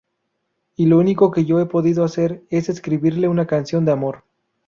Y lo único que yo he podido hacer es escribirle una canción de amor.